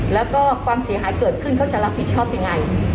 แล้วก็ความเสียหายเกิดขึ้นเขาจะรับผิดชอบยังไง